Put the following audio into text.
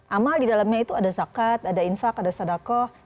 amal di dalamnya itu ada zakat ada infak ada sadakoh